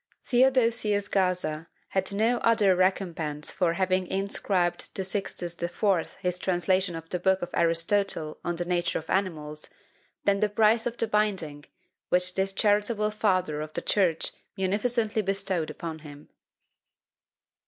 Theodosius Gaza had no other recompense for having inscribed to Sixtus IV. his translation of the book of Aristotle on the Nature of Animals, than the price of the binding, which this charitable father of the church munificently bestowed upon him.